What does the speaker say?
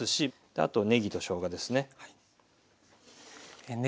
あとねぎとしょうがですね。